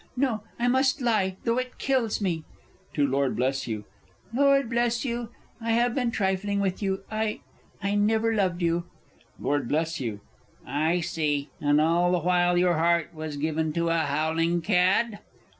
No, I must lie, though it kills me. (To Lord B.) Lord Bleshugh, I have been trifling with you. I I never loved you. Lord B. I see, and all the while your heart was given to a howling cad?